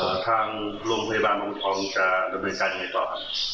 ก็อยากรู้ว่าทางโรงพยาบาลอองทองจะเป็นด้วยการยังไงต่อครับ